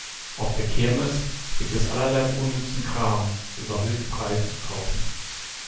Auf der Kirmes gibt es allerlei unnützen Kram zu überhöhten Preisen zu kaufen.